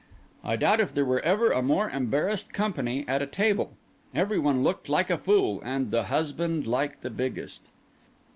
I doubt if there were ever a more embarrassed company at a table; every one looked like a fool; and the husband like the biggest.